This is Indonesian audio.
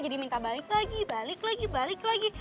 jadi minta balik lagi balik lagi balik lagi